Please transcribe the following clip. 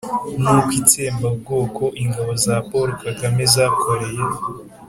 n'uko itsembabwoko ingabo za Paul Kagame zakoreye